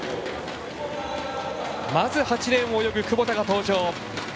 まず８レーンを泳ぐ窪田が登場。